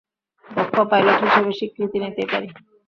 দক্ষ পাইলট হিসেবে স্বীকৃতি নিতেই পারি।